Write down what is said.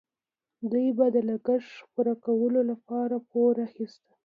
دوی به د لګښت پوره کولو لپاره پور اخیست.